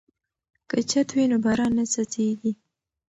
که چت وي نو باران نه څڅیږي.